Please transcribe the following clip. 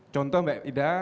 contoh mbak ida